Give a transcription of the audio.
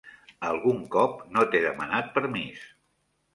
Algun cop no t'he demanat permís.